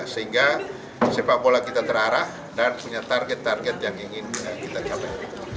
sehingga sepak bola kita terarah dan punya target target yang ingin kita capai